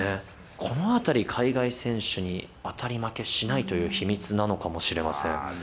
このあたり、海外選手に当たり負けしないという秘密なのかもしれません。